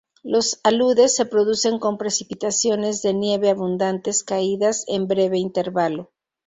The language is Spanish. Los aludes se producen con precipitaciones de nieve abundantes caídas en breve intervalo.